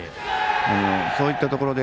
そういったところで。